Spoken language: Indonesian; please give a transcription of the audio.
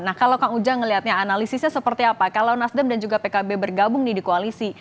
nah kalau kang ujang melihatnya analisisnya seperti apa kalau nasdem dan juga pkb bergabung nih di koalisi